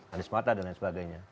anies mata dan lain sebagainya